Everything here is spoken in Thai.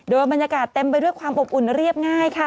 โดยบรรยากาศเต็มไปด้วยความอบอุ่นเรียบง่ายค่ะ